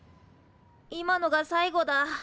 今のが最後だ。